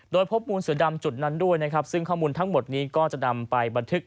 โดยพบมูลเสือดำจุดนั้นด้วยนะครับซึ่งข้อมูลทั้งหมดนี้ก็จะนำไปบันทึก